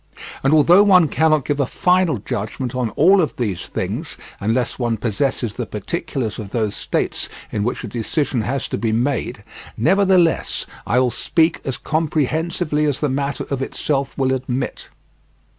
And although one cannot give a final judgment on all of these things unless one possesses the particulars of those states in which a decision has to be made, nevertheless I will speak as comprehensively as the matter of itself will admit.